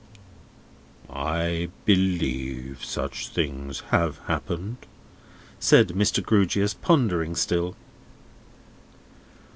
"I believe such things have happened," said Mr. Grewgious, pondering still.